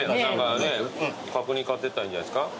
角煮買ってったらいいんじゃないですか？